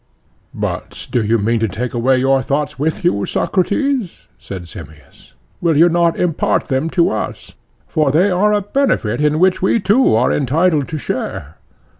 But do you mean to take away your thoughts with you, Socrates? said Simmias. Will you not impart them to us?—for they are a benefit in which we too are entitled to share.